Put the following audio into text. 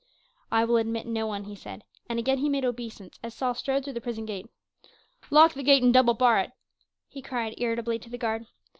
"I will admit no one," he said, and he again made obeisance as Saul strode through the prison gate. "Lock the gate and double bar it," he cried irritably to the guard.